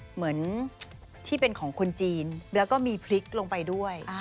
เหมือนที่เป็นของคนจีนแล้วก็มีพริกลงไปด้วย